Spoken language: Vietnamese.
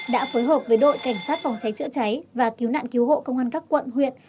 đã phối hợp với đội cảnh sát phòng cháy chữa cháy và cứu nạn cứu hộ công an các quận huyện